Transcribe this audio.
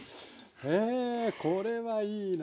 へえこれはいいなあ。